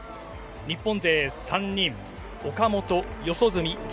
日本勢３人、岡本、四十住、開、